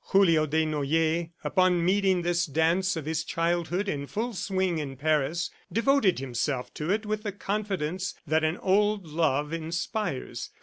Julio Desnoyers, upon meeting this dance of his childhood in full swing in Paris, devoted himself to it with the confidence that an old love inspires.